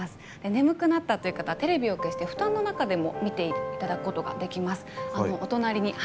眠くなったという方テレビを消して、布団の中でも見ていただくことができます。